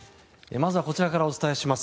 まずはこちらからお伝えします。